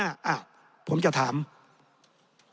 ในทางปฏิบัติมันไม่ได้